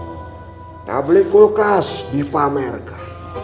kita beli kulkas dipamerkan